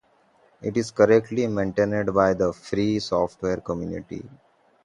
It is currently maintained by the free software community.